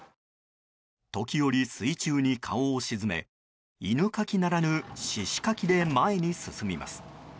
時折、水中に顔を沈め犬かきならぬ、シシかきで前に進みます。